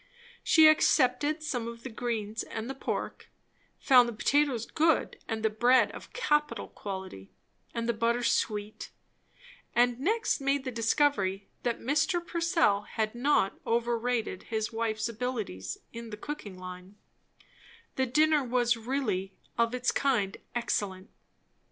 She accepted some of the greens and the pork; found the potatoes good, and the bread of capital quality, and the butter sweet; and next made the discovery that Mr. Purcell had not overrated his wife's abilities in the cooking line; the dinner was really, of its kind, excellent.